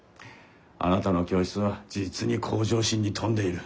あなたの教室は実に向上心に富んでいる。